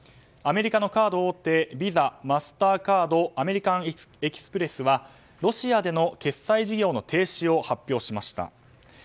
アメリカのカード大手ビザ、マスターカードアメリカン・エキスプレスはロシアでの決済事業の停止を発表しました。